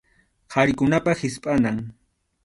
Qharikunapa hispʼanan.